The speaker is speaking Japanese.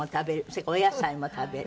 それからお野菜も食べる。